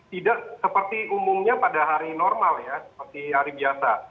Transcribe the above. tidak seperti umumnya pada hari normal ya seperti hari biasa